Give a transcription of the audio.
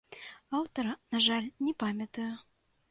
Аўтара, на жаль, не памятаю.